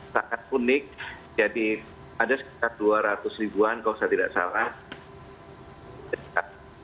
sangat unik jadi ada sekitar dua ratus ribuan kalau saya tidak salah